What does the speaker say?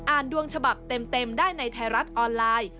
ดวงฉบับเต็มได้ในไทยรัฐออนไลน์